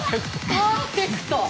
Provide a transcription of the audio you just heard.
パーフェクト。